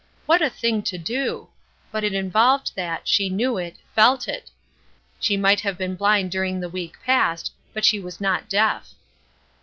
What a thing to do! But it involved that; she knew it, felt it. She might have been blind during the week past, but she was not deaf.